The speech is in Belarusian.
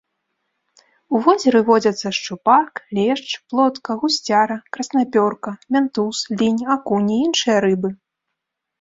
У возеры водзяцца шчупак, лешч, плотка, гусцяра, краснапёрка, мянтуз, лінь, акунь і іншыя рыбы.